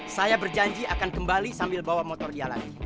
saya berjanji akan kembali sambil bawa motor dia lagi